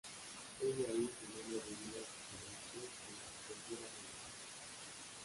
He de ahí su nombre debido a su similitud con la arquitectura medieval.